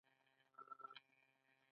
یو کال وروسته د هغه پانګه زیاتېږي